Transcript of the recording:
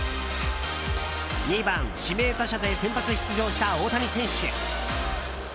２番指名打者で先発出場した大谷選手。